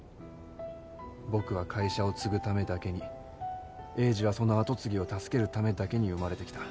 僕は会社を継ぐためだけに栄治はその後継ぎを助けるためだけに生まれてきた。